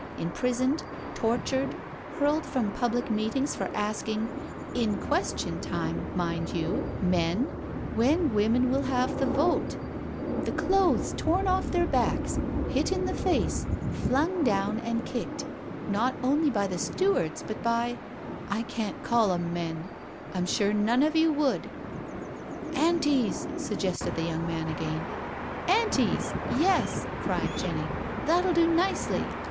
Imprisoned, tortured, hurled from public meetings for asking, In question time, mind you, men, when women will have the vote — the ON A TROLLY CART 133 clothes torn off their backs, hit io the face, flung down and kicked, not only by the stewards but by— I can't call 'cm men — I'm sure none of you would "" 'Antis '," suggested the young man again. •• 'Antis •— yes I •• cried Jenny, ••that'll do nicely.